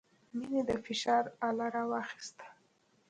مينې د فشار اله راواخيسته.